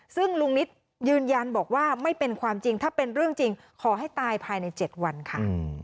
ซึ่งลุงนิตยืนยันบอกว่าไม่เป็นความจริงถ้าเป็นเรื่องจริงขอให้ตายภายใน๗วันค่ะ